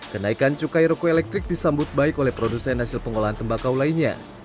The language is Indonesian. kenaikan cukai roko elektrik disambut baik oleh produsen hasil pengolahan tembakau lainnya